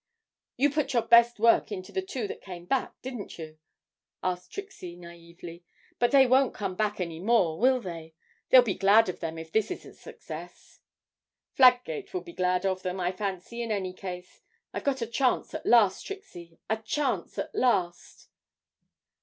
'You put your best work into the two that came back, didn't you?' asked Trixie naively. 'But they won't come back any more, will they? They'll be glad of them if this is a success.' 'Fladgate will be glad of them, I fancy, in any case. I've got a chance at last, Trixie. A chance at last!'